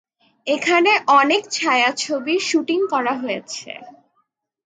এখানে অনেক ছায়াছবির শুটিং করা হয়েছে।